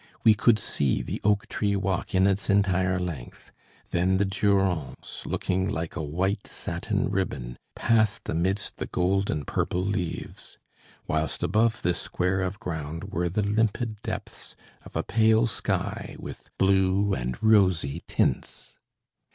We could see the oak tree walk in its entire length; then the Durance, looking like a white satin ribbon, passed amidst the gold and purple leaves; whilst above this square of ground were the limpid depths of a pale sky with blue and rosy tints.